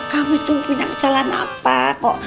kamu itu pindah ke jalan apa kok